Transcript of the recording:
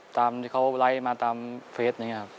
ตามที่เขาไลค์มาตามเฟสนะครับ